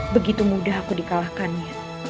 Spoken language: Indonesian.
begitu mudah aku dikalahkannya